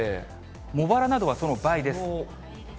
茂原などはその倍です。